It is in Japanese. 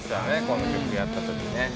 この曲やったときね。